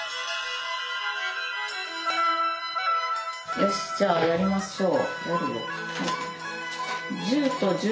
よしじゃあやりましょう。